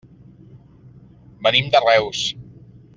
Venim de Reus.